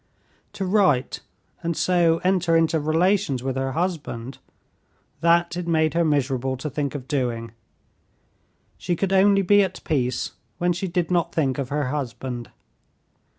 To write and so enter into relations with her husband—that it made her miserable to think of doing; she could only be at peace when she did not think of her husband.